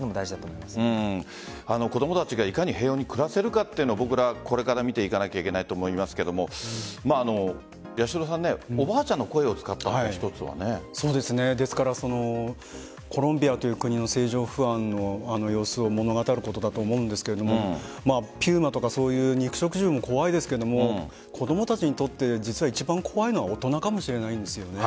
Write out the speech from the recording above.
子供たちが、いかに平和に暮らせるかというのも僕ら、これから見ていかなければいけないと思いますが八代さんおばあちゃんの声をコロンビアという国の政情不安の様子を物語ることだと思うんですがピューマとかそういう肉食獣も怖いですが子供たちにとって実は一番怖いのは大人かもしれないんですよね。